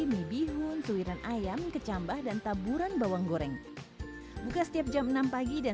mie bihun suiran ayam kecambah dan taburan bawang goreng buka setiap jam enam pagi dan